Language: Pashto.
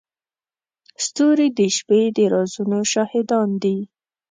ستوري د شپې د رازونو شاهدان دي.